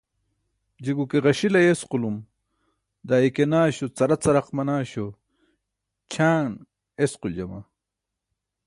je guke śuwa ġaśil ayesqulum daa ike naśo caracaraq manaaśo ćʰaaṅ esquljama